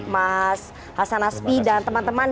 mas hasan aspi dan teman teman